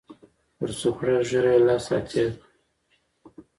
پر څوکړه ږیره یې لاس را تېر کړ.